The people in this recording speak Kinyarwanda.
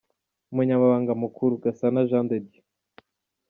Umunyamabanga Mukuru : Gasana Jean de Dieu.